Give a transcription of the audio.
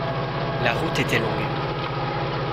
La route était longue.